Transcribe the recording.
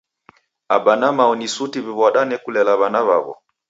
Aba na mao ni suti w'iw'adane kulela w'ana w'aw'o.